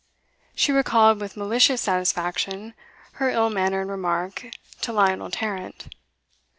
She recalled with malicious satisfaction her ill mannered remark to Lionel Tarrant.